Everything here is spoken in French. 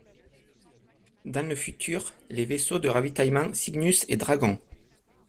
Dans le futur les vaisseaux de ravitaillement Cygnus et Dragon.